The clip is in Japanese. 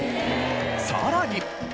さらに。